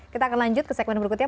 kita akan lanjut ke segmen berikutnya